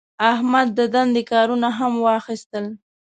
احمد د دندې کارونه هم واخیستل.